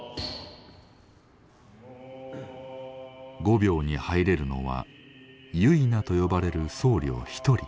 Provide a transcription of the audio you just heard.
御廟に入れるのは「維那」と呼ばれる僧侶一人。